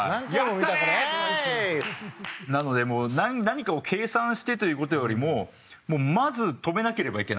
なのでもう何かを計算してという事よりもまず止めなければいけないと。